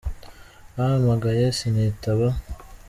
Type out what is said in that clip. bampamagaye sinitaba